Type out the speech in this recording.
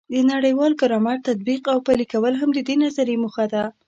د نړیوال ګرامر تطبیق او پلي کول هم د دې نظریې موخه ده.